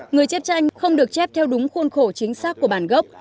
người chép tranh không được chép theo đúng khuôn khổ chính xác của bản gốc